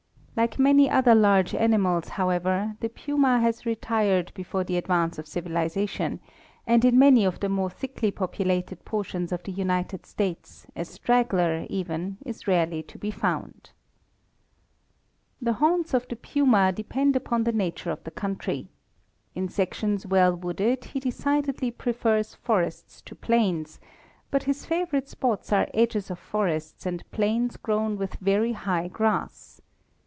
Like many other large animals, however, the puma has retired before the advance of civilization, and in many of the more thickly populated portions of the United States a straggler, even, is rarely to be found. The haunts of the puma depend upon the nature of the country. In sections well wooded he decidedly prefers forests to plains; but his favorite spots are edges of forests and plains grown with very high grass.